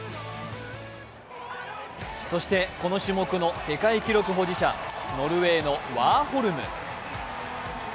そして、この種目の世界記録保持者、ノルウェーのワーホルム。